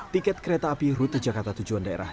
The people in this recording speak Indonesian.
tiket kereta api rute jakarta tujuan daerah